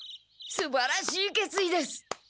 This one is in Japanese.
すばらしいけついです！